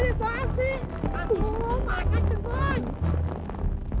aduh makasih boy